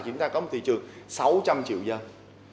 chúng ta có một thị trường sáu trăm linh triệu dân